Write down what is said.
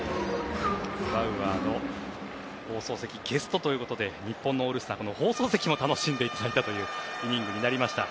バウアーの放送席ゲストということで日本のオールスター放送席も楽しんでいただいたイニングになりました。